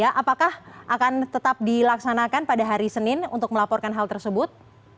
apakah akan tetap dilaksanakan pada hari senin untuk melaporkan hal tersebut